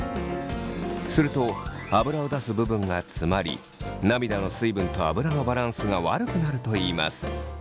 するとアブラを出す部分が詰まり涙の水分とアブラのバランスが悪くなるといいます。